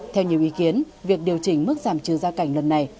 theo nhiều ý kiến việc điều chỉnh mức giảm trừ gia cảnh lần này